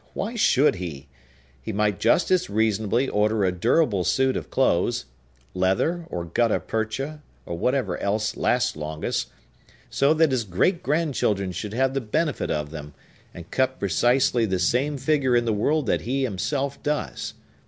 Why should he? He might just as reasonably order a durable suit of clothes,—leather, or guttapercha, or whatever else lasts longest,—so that his great grandchildren should have the benefit of them, and cut precisely the same figure in the world that he himself does.